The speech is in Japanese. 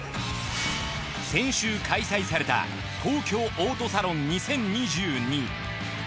先週開催された東京オートサロン２０２２。